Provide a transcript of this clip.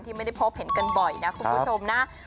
ไม่ได้พบเห็นกันบ่อยนะคุณผู้ชมนะ